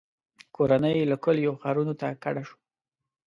• کورنۍ له کلیو ښارونو ته کډه شوه.